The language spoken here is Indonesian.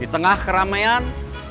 di tengah keramaian